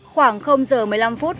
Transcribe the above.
khoảng h một mươi năm phút